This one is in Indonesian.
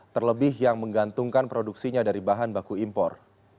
terlebih yang menggantungkan produksinya dari bahan baku impor